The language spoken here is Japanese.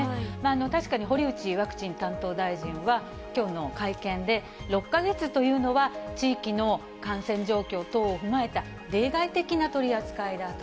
確かに堀内ワクチン担当大臣は、きょうの会見で、６か月というのは、地域の感染状況等を踏まえた例外的な取り扱いだと。